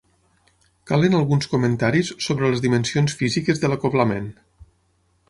Calen alguns comentaris sobre les dimensions físiques de l'acoblament.